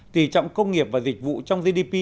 tì trọng công nghiệp và dịch vụ trong gdp